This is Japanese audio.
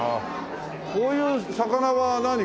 こういう魚は何？